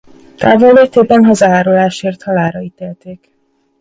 Távollétében hazaárulásért halálra ítélték.